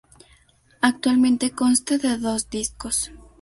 Actualmente consta de dos discos.